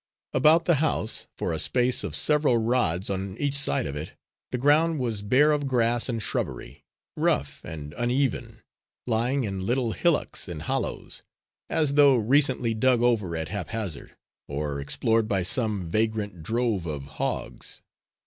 About the house, for a space of several rods on each side of it, the ground was bare of grass and shrubbery, rough and uneven, lying in little hillocks and hollows, as though recently dug over at haphazard, or explored by some vagrant drove of hogs.